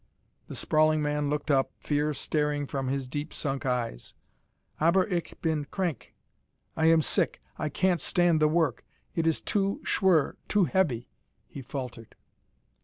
The sprawling man looked up, fear staring from his deep sunk eyes. "Aber, ich bin krank." "I am sick; I can't stand the work; it is too schwer, too heavy," he faltered.